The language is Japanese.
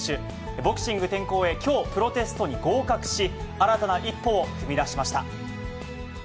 ボクシング転向へ、きょう、プロテストに合格し、新たな一歩を踏みだしました。